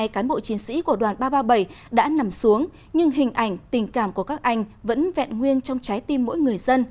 hai mươi cán bộ chiến sĩ của đoàn ba trăm ba mươi bảy đã nằm xuống nhưng hình ảnh tình cảm của các anh vẫn vẹn nguyên trong trái tim mỗi người dân